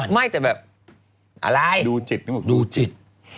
ไม่แต่แบบอะไรดูจิต